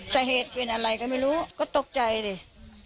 สาเหตุเป็นอะไรก็ไม่รู้ก็ตกใจดิ